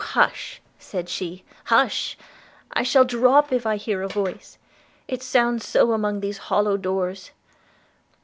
hush,' said she, 'hush! I shall drop if I hear a voice – it sounds so among these hollow doors.'